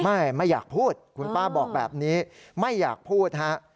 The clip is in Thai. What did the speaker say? ไม่ไม่อยากพูดคุณป้าบอกแบบนี้ไม่อยากพูดฮะ